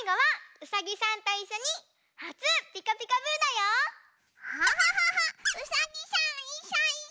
うさぎさんいっしょいっしょ！